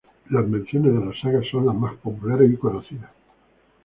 Las menciones de las sagas son las más populares y conocidas.